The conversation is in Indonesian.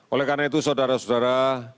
oleh karena itu saudara saudara